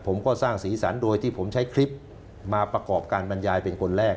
ผมก็สร้างสีสันโดยที่ผมใช้คลิปมาประกอบการบรรยายเป็นคนแรก